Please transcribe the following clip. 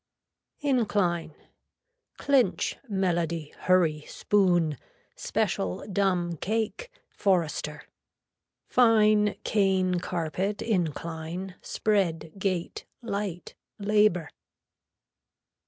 INCLINE. Clinch, melody, hurry, spoon, special, dumb, cake, forrester. Fine, cane, carpet, incline, spread, gate, light, labor.